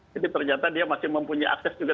jadi ternyata dia masih mempunyai akses juga